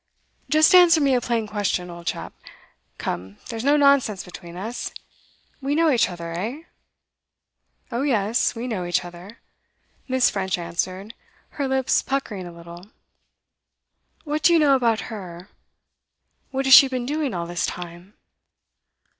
'Just answer me a plain question, old chap. Come, there's no nonsense between us; we know each other eh?' 'Oh yes, we know each other,' Miss. French answered, her lips puckering a little. 'What do you know about her? What has she been doing all this time?